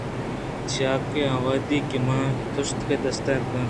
چیاکہ آ وہدی کہ من تُشے دیستگ اَت